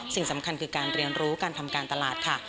สิ่งสำคัญคือการเรียนรู้การทำการตลาดค่ะ